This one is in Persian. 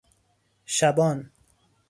شبان